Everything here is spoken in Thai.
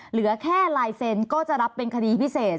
เหลือแค่ลายเซ็นต์ก็จะรับเป็นคดีพิเศษ